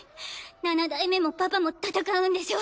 七代目もパパも戦うんでしょ？